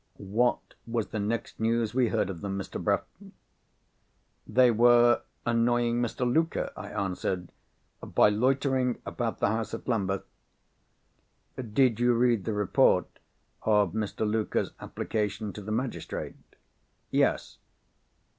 What was the next news we heard of them, Mr. Bruff?" "They were annoying Mr. Luker," I answered, "by loitering about the house at Lambeth." "Did you read the report of Mr. Luker's application to the magistrate?" "Yes."